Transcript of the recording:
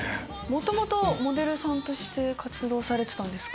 もともとモデルさんとして活動されてたんですか？